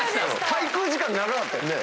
滞空時間長かったよね。